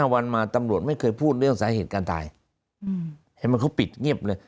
วันมาตำรวจไม่เคยพูดเรื่องสาเหตุการตายเห็นไหมเขาปิดเงียบเลย